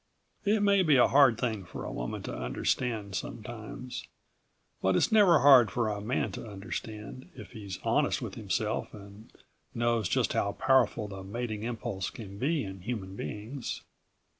It may be a hard thing for a woman to understand, sometimes. But it's never hard for a man to understand, if he's honest with himself and knows just how powerful the mating impulse can be in human beings.